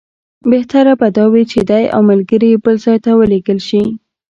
بهتره به دا وي چې دی او ملګري یې بل ځای ته ولېږل شي.